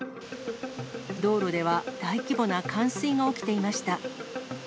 道路では大規模な冠水が起きていました。